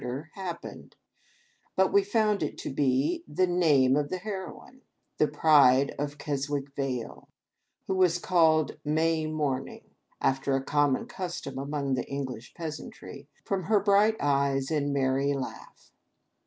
161 der happened, but we found it to be tbe name of tbe hero ine, the pride of Keswick Vale; who was called "May Morning" (after a common custom among the English Peasantry) " from her bright eyes and merry laugh."